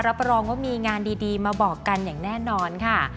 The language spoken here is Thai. รับรองว่ามีงานดีมาบอกกันอย่างแน่นอนค่ะ